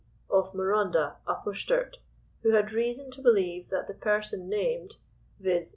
of Marondah, Upper Sturt, who had reason to believe that the person named—viz.